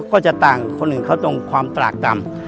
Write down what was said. ก็จะต่างคนอื่นเขาตรงความตรากต่ำ